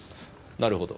なるほど。